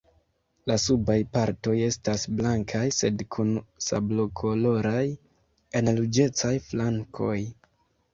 La subaj partoj estas blankaj, sed kun sablokoloraj al ruĝecaj flankoj.